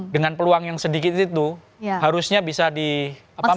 dengan peluang yang sedikit itu harusnya bisa di apa